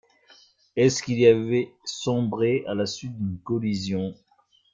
Est-ce qu’il avait sombré, à la suite d’une collision?...